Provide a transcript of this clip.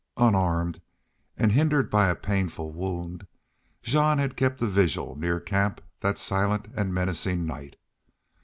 Unarmed, and hindered by a painful wound, Jean had kept a vigil near camp all that silent and menacing night.